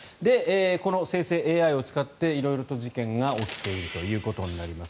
この生成ＡＩを使って色々と事件が起きているということになります。